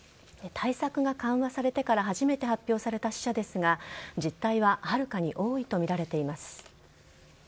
対策が緩和されてから初めて発表された死者ですが、実態ははるかに多いと見られています。